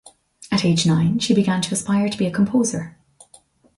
At age nine she began to aspire to be a composer.